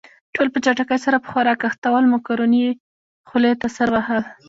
ټول په چټکۍ سره په خوراک اخته ول، مکروني يې خولې ته سر وهل.